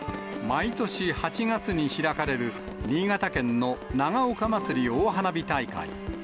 毎年８月に開かれる、新潟県の長岡まつり大花火大会。